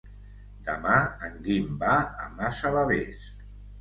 Demà en Guim va a Massalavés.